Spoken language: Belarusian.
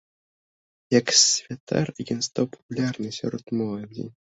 Як святар, ён стаў папулярны сярод моладзі.